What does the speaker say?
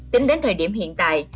tính đến thời điểm hiện tại